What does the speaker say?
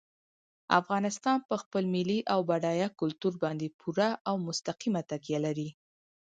افغانستان په خپل ملي او بډایه کلتور باندې پوره او مستقیمه تکیه لري.